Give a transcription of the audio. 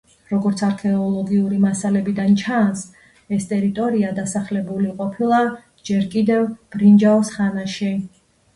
როგორც არქეოლოგიური მასალებიდან ჩანს, ეს ტერიტორია დასახლებული ყოფილა ჯერ კიდევ ბრინჯაოს ხანაში.